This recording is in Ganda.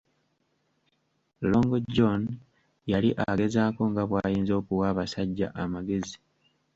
Long John yali agezaako nga bw'ayinza okuwa abasajja amagezi.